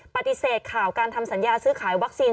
ปฏิเสธข่าวการทำสัญญาซื้อขายวัคซีน